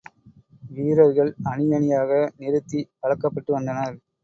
வீரர்கள் அணியணியாக நிறுத்திப் பழக்கப்பட்டு வந்தனர்.